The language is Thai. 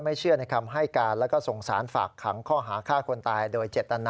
แล้วจากนี้ไปแม่จะเซ็นอยากการใหญ่ต่อ